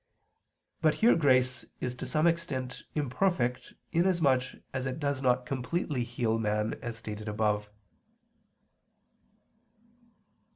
But here grace is to some extent imperfect, inasmuch as it does not completely heal man, as stated above.